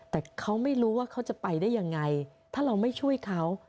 แต่เขาไม่รู้ว่าเขาจะไปได้ยังไงถ้าเราไม่ช่วยเขา